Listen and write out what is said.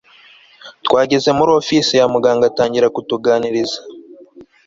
Twageze muri office ya muganga atangira kutuganiriza